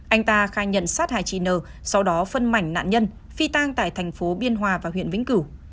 anh ta khai nhận sát hại chị n sau đó phân mảnh nạn nhân phi tang tại thành phố biên hòa và huyện vĩnh cửu